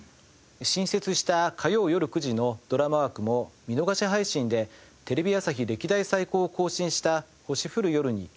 新設した火曜よる９時のドラマ枠も見逃し配信でテレビ朝日歴代最高を更新した『星降る夜に』